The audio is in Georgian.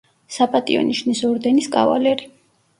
საპატიო ნიშნის ორდენის კავალერი.